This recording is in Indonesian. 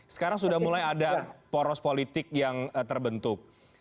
sekarang sudah mulai ada poros politik yang terbentuk